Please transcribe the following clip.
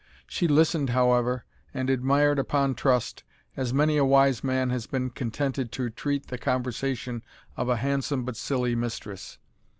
She listened, however, and admired upon trust, as many a wise man has been contented to treat the conversation of a handsome but silly mistress.